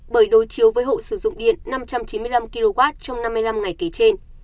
bởi đối chiếu với hộ sử dụng điện năm trăm chín mươi năm kw trong năm mươi năm ngày kể trên